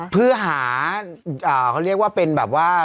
เพื่อหาเขาเรียกว่าเป็นแบบว่า